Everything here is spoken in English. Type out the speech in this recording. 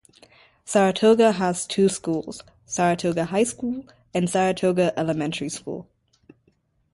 Saratoga has two schools, Saratoga High School and Saratoga Elementary School.